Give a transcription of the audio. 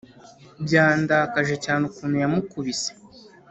Byandakaje cyane ukuntu yamukubise